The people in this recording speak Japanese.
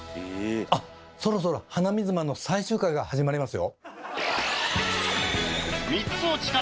あっそろそろ鼻水マンの最終回が始まりますよ！